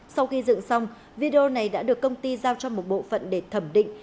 sau khi dựng xong video này đã được công ty giao cho một bộ phận để thẩm định